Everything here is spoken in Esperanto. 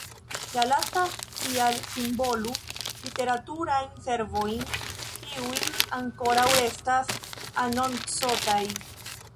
La lasta ial simbolu "literaturajn servojn", kiuj ankoraŭ restas "anoncotaj".